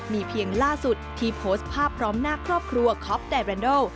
มีเพียงล่าสุดที่โพสต์ภาพพร้อมหน้าครอบครัวคอปไดเรนโด